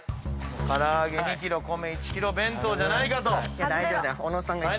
唐揚げ２キロ米１キロ弁当じゃないかと。